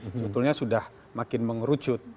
sebetulnya sudah makin mengerucut